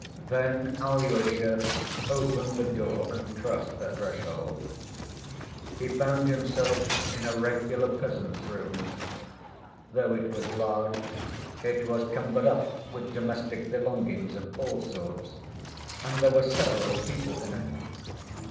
Then Alyosha opened the door and crossed the threshold. He found himself in a regular peasant's room. Though it was large, it was cumbered up with domestic belongings of all sorts, and there were several people in it.